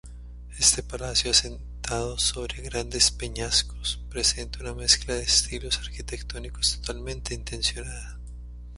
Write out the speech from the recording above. Este palacio asentado sobre grandes peñascos, presenta una mezcla de estilos arquitectónicos totalmente intencionada.